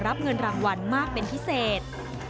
รับเงินรางวัลมากเป็นพิเศษ